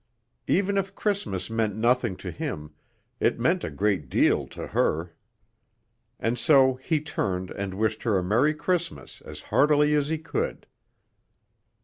Even if Christmas meant nothing to him, it meant a great deal to her. And so he turned and wished her a Merry Christmas as heartily as he could.